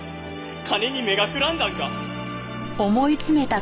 金に目がくらんだんか？